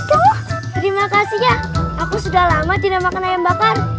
terima kasih aku sudah lama tidak makan ayam bakar